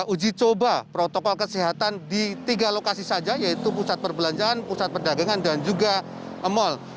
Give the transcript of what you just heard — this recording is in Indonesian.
uji coba protokol kesehatan di tiga lokasi saja yaitu pusat perbelanjaan pusat perdagangan dan juga mal